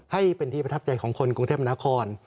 ให้เป็นที่ประทับใจของคนกรุงเทพนคร